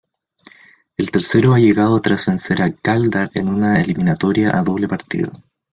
El tercero ha llegado tras vencer al Gáldar en una eliminatoria a doble partido.